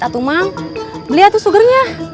atau mang beli atuh sugarnya